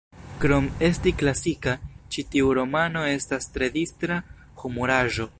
Krom esti klasika, ĉi tiu romano estas tre distra humuraĵo.